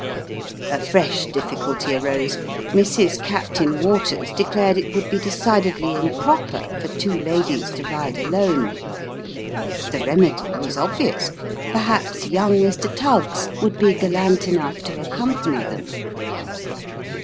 A fresh difficulty arose. Mrs. Captain Waters declared it would bo decidedly improper for two ladies to ride alone. The remedy was obvious. Perhaps young Mr. Tuggs would be gallant enough to accompany them.